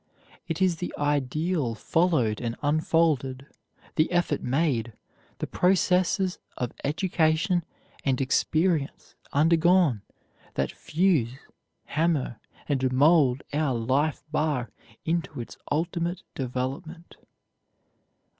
It is the ideal followed and unfolded, the effort made, the processes of education and experience undergone that fuse, hammer, and mold our life bar into its ultimate development.